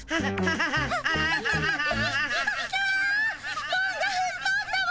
フトンがふっとんだわ！